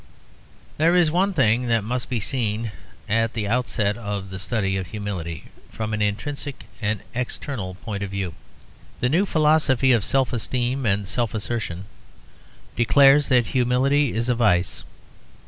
There is one thing that must be seen at the outset of the study of humility from an intrinsic and eternal point of view. The new philosophy of self esteem and self assertion declares that humility is a vice.